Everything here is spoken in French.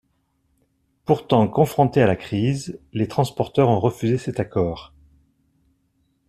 Pourtant, confrontés à la crise, les transporteurs ont refusé cet accord.